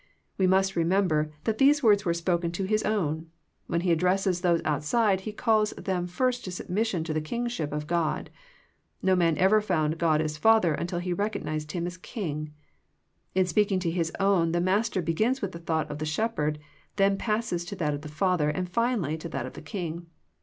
We must remember that these words were spoken to His own. When He addresses those outside He calls them first to submission to the Kingship of God. No man ever found God as Father until He recognized Him as King. In speaking to His own the Master begins with the thought of the Shepherd, then passes to that of the Father, and finally to that of the King.